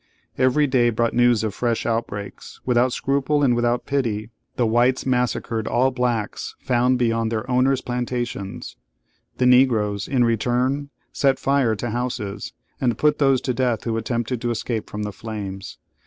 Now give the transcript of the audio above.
Every day brought news of fresh outbreaks. Without scruple and without pity, the whites massacred all blacks found beyond their owners' plantations: the Negroes, in return, set fire to houses, and put those to death who attempted to escape from the flames.